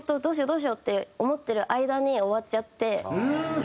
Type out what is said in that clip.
どうしよう？って思ってる間に終わっちゃって。